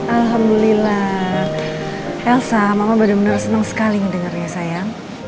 alhamdulillah elsa mama benar benar senang sekali mendengarnya saya